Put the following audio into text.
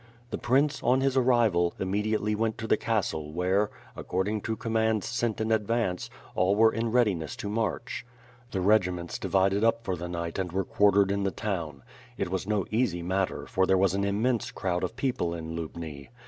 The prince, on his arrival, immediately went to the castle where, according to commands sent in advance, all were in readiness to march. The regiments divided up for the night and were quartered in the town. It was no easy matter, for there was an immense crowd of people in Lubni.